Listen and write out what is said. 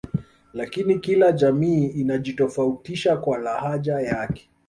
Lakini kila jamii inajitofautisha kwa lahaja yake